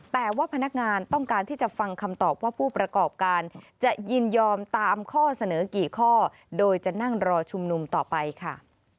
แต่ว่าพนักงานต้องการที่จะฟังคำตอบว่าผู้ประกอบการจะยินยอมตามข้อเสนอกี่ข้อโดยจะนั่งรอชุมนุมต่อไปค่ะ